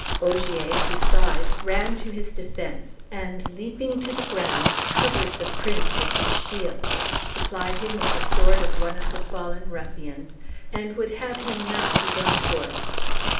Ogier, who saw it, ran to his defence, and leaping to the ground covered the prince with his shield, supplied him with the sword of one of the fallen ruffians, and would have him mount his own horse.